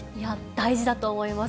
大事だと思います。